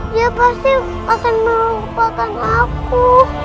dia pasti akan melupakan aku